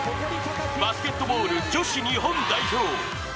バスケットボール女子日本代表。